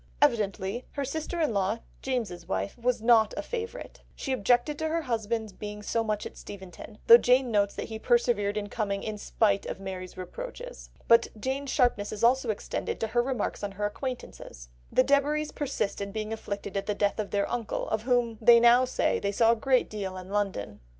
Evidently her sister in law, James's wife, was not a favourite; she objected to her husband's being so much at Steventon, though Jane notes that he persevered in coming "in spite of Mary's reproaches." But Jane's sharpness is also extended to her remarks on her acquaintances. "The Debaries persist in being afflicted at the death of their uncle, of whom they now say they saw a great deal in London."